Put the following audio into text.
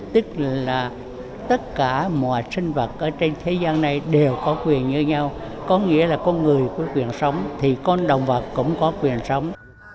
tức là tất cả mọi sinh vật ở trên thế gian này đều có quyền như nhau có nghĩa là con người có quyền sống thì con động vật cũng có quyền sống